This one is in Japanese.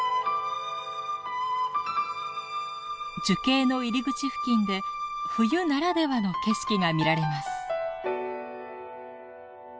樹型の入り口付近で冬ならではの景色が見られます。